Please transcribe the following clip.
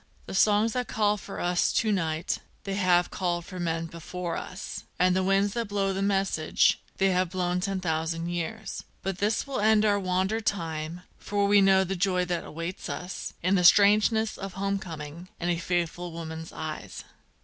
The songs that call for us to night, they have called for men before us, And the winds that blow the message, they have blown ten thousand years; But this will end our wander time, for we know the joy that waits us In the strangeness of home coming, and a faithful woman's eyes.